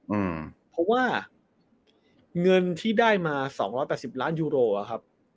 อืมเพราะว่าเงินที่ได้มาสองร้อยแปดสิบล้านยูโรอ่ะครับ